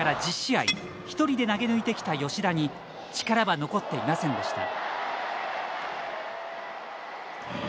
一人で投げ抜いてきた吉田に力は残っていませんでした。